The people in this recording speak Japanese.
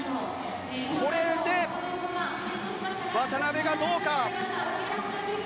これで渡辺がどうか。